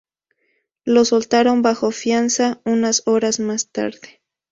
Lo soltaron bajo fianza unas horas más tarde.